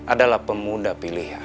adalah pemuda pilihan